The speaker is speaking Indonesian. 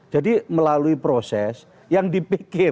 jadi melalui proses yang dipikir